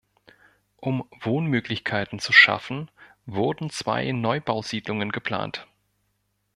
Um Wohnmöglichkeiten zu schaffen, wurden zwei Neubausiedlungen geplant.